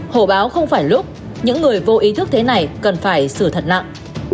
hồ báo không phải lúc những người vô ý thức thế này cần phải xử thật nặng